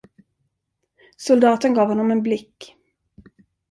Soldaten gav honom en blick.